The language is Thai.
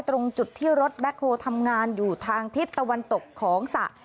ตรงจุดที่รถแบ็คโฮลทำงานอยู่ทางทิศตะวันตกของสระ